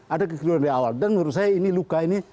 ada kekeliruan dari awal dan menurut saya ini luka ini